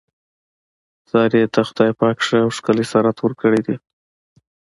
سارې ته خدای پاک ښه او ښکلی صورت ورکړی دی.